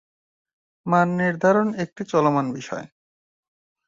মান নির্ধারণ একটি চলমান বিষয়।